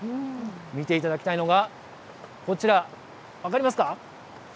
見ていただきたいのがこちら、分かりますか？